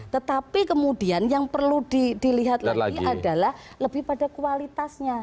tetapi kemudian yang perlu dilihat lagi adalah lebih pada kualitasnya